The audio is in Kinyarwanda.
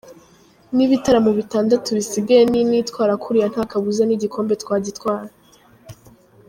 N’ibitaramo bitandatu bisigaye ninitwara kuriya nta kabuza n’igikombe twagitwara.